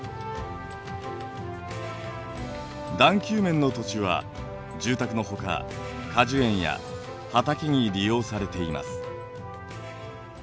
段丘面の土地は住宅のほか果樹園や畑に利用されています。